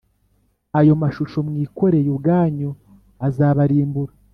ayo mashusho mwikoreye ubwanyu azaba rimbura